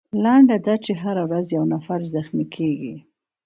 لنډه دا چې هره ورځ یو نفر زخمي کیږي.